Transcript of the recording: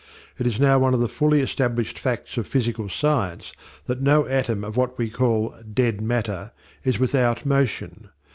It is now one of the fully established facts of physical science that no atom of what we call "dead matter" is without motion.